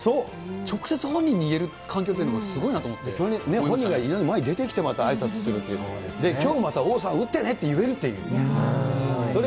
直接本人に言える環境というのが本人が家の前に出てきてあいさつするっていう、きょうも王さん打ってねって言えるっていう。